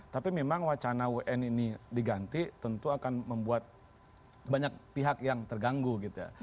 tapi memang wacana un ini diganti tentu akan membuat banyak pihak yang terganggu gitu ya